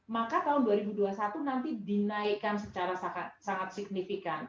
maka tahun dua ribu dua puluh satu nanti dinaikkan secara sangat signifikan